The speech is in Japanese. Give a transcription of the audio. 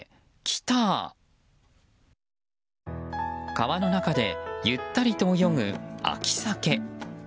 川の中でゆったりと泳ぐ秋サケ。